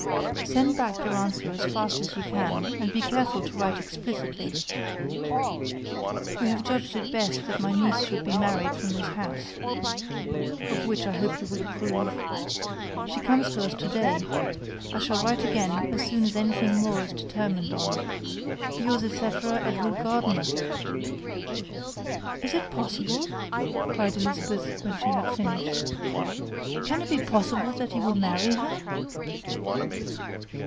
Send back your answer as soon as you can, and be careful to write explicitly. We have judged it best that my niece should be married from this house, of which I hope you will approve. She comes to us to day. I shall write again as soon as anything more is determined on. Yours, etc. "EDW. GARDINER." "Is it possible?" cried Elizabeth, when she had finished. "Can it be possible that he will marry her?"